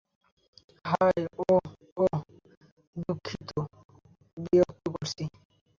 High - oh - oh, দুঃখিত বিরক্ত করছি।